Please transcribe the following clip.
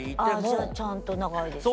じゃあちゃんと長いですね。